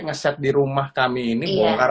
nge set di rumah kami ini bongkar